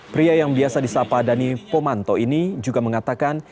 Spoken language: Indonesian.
pria yang biasa disapa dhani pomanto ini juga mengatakan